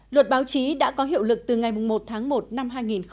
luật báo chí đã có hiệu lực từ ngày một tháng một năm hai nghìn một mươi bảy